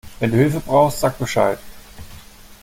Wenn du Hilfe brauchst, sag Bescheid.